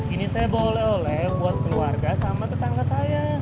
ini saya boleh oleh oleh buat keluarga sama tetangga saya